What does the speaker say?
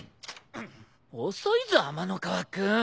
遅いぞ天ノ河君。